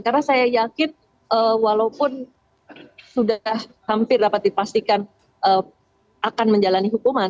karena saya yakin walaupun sudah hampir dapat dipastikan akan menjalani hukuman